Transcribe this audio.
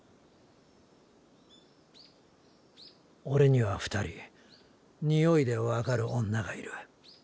オレには２人においで分かる女がいる。